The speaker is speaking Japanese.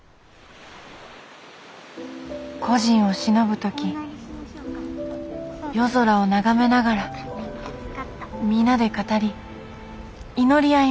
故人をしのぶ時夜空を眺めながら皆で語り祈り合います。